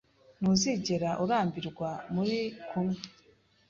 Ntuzigera urambirwa muri kumwe.